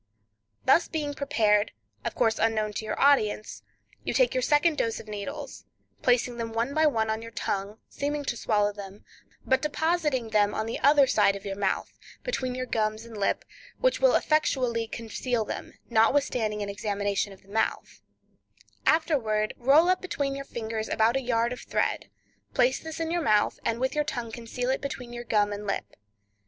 Thus being prepared, of course unknown to your audience, you take your second dose of needles, placing them one by one on your tongue, seeming to swallow them, but depositing them on the other side of your mouth, between your gums and lip, which will effectually conceal them, notwithstanding an examination of the mouth; afterward roll up between your fingers about a yard of thread; place this in your mouth, and with your tongue conceal it between your gum and lip.